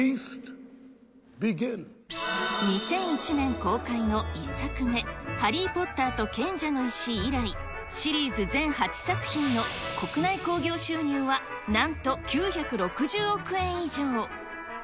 ２００１年公開の１作目、ハリー・ポッターと賢者の石以来、シリーズ全８作品の国内興行収入はなんと９６０億円以上。